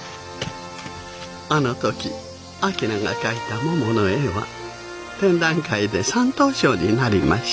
あの時旭が描いたももの絵は展覧会で３等賞になりました。